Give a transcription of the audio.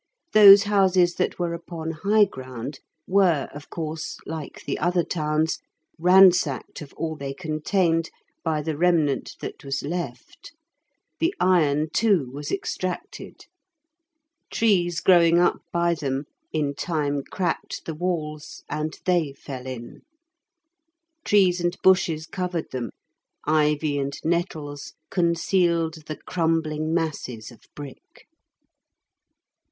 Those houses that were upon high ground were, of course, like the other towns, ransacked of all they contained by the remnant that was left; the iron, too, was extracted. Trees growing up by them in time cracked the walls, and they fell in. Trees and bushes covered them; ivy and nettles concealed the crumbling masses of brick.